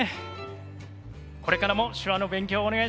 これからも手話の勉強お願いします！